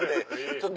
ちょっと。